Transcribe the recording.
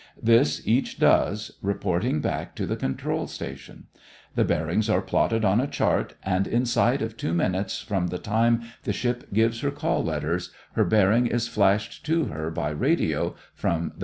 This each does, reporting back to the control station. The bearings are plotted on a chart and inside of two minutes from the time the ship gives her call letters, her bearing is flashed to her by radio from the control station.